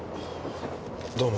どうも。